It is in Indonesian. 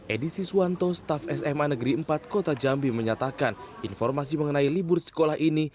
edi siswanto staf sma negeri empat kota jambi menyatakan informasi mengenai libur sekolah ini